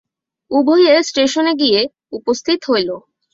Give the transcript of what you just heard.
উভয়ে স্টেশনে গিয়া উপস্থিত হইল।